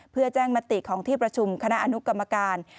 เพื่อแจ้งมติของที่ประชุมคณะอนุกรรมการ